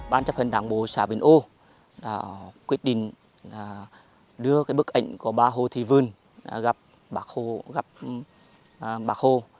ban chấp hận đảng bộ xã vĩnh âu quyết định đưa bức ảnh của bà hồ thị vân gặp bà hồ